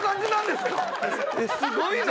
すごいな。